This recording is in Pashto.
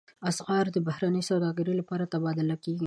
اسعار د بهرنۍ سوداګرۍ لپاره تبادله کېږي.